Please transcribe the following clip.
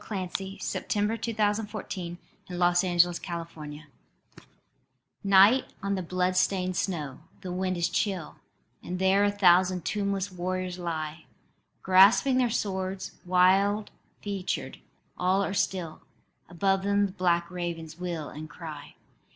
HIALMAR SPEAKS TO THE RAVEN from Leconte de Lisle Night on the bloodstained snow: the wind is chill: And there a thousand tombless warriors lie, Grasping their swords, wild featured. All are still. Above them the black ravens wheel and cry.